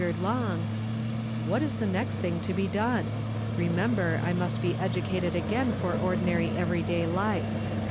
red long, "what is the luwi thing to be (lone? Uiuneniber 1 must be edueated again for ordinary every day life.